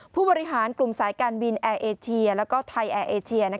ผู้บริหารกลุ่มสายการบินแอร์เอเชียแล้วก็ไทยแอร์เอเชีย